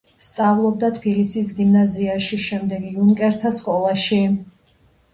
სწავლობდა თბილისის გიმნაზიაში, შემდეგ იუნკერთა სკოლაში.